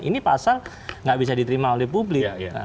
ini pasal nggak bisa diterima oleh publik